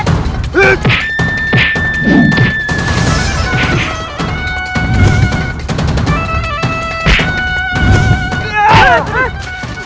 ingat ada ander lab filmen